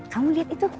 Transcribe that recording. kamu lihat itu